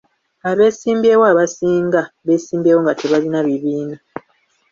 Abesimbyewo abasinga beesimbyewo nga tebalina bibiina.